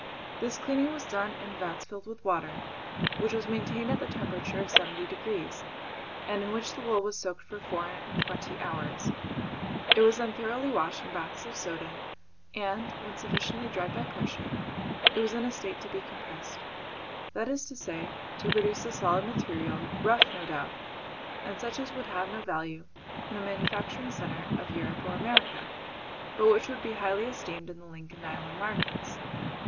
This cleaning was done in vats filled with water, which was maintained at the temperature of seventy degrees, and in which the wool was soaked for four and twenty hours; it was then thoroughly washed in baths of soda, and, when sufficiently dried by pressure, it was in a state to be compressed, that is to say, to produce a solid material, rough, no doubt, and such as would have no value in a manufacturing centre of Europe or America, but which would be highly esteemed in the Lincoln Island markets.